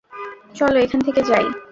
চলো, এখান থেকে যাই!